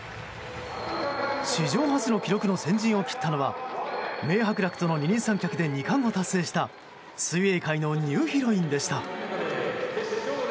史上初の記録の先陣を切ったのは名伯楽との二人三脚で２冠を達成した水泳界のニューヒロインでした。